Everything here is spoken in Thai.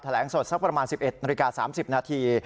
แหลงสดสักประมาณ๑๑นาฬิกา๓๐นาที